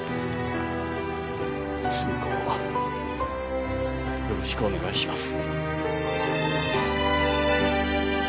寿美子をよろしくお願いします。